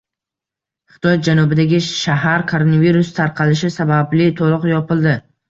Xitoy janubidagi shahar koronavirus tarqalishi sababli to‘liq yopildi